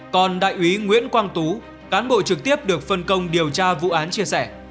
còn đại úy nguyễn quang tú cán bộ trực tiếp được phân công điều tra vụ án chia sẻ